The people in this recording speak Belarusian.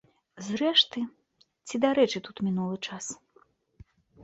Зрэшты, ці дарэчы тут мінулы час?